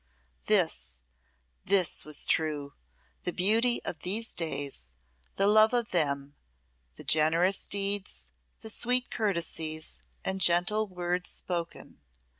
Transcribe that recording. This this was true the beauty of these days, the love of them, the generous deeds, the sweet courtesies, and gentle words spoken.